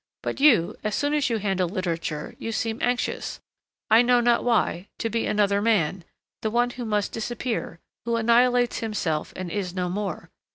But you, as soon as you handle literature, you seem anxious, I know not why, to be another man, the one who must disappear, who annihilates himself and is no more.